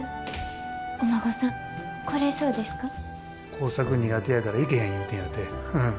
工作苦手やから行けへん言うてんやて。